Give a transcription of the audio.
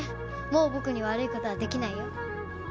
もう僕に悪い事はできないよ。